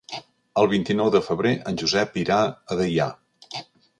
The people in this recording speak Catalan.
El vint-i-nou de febrer en Josep irà a Deià.